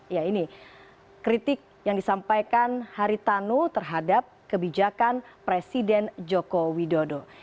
ya ini kritik yang disampaikan haritanu terhadap kebijakan presiden jokowi dodo